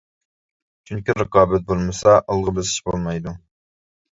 چۈنكى رىقابەت بولمىسا ئالغا بېسىش بولمايدۇ.